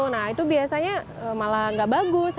nah itu biasanya malah nggak bagus hasilnya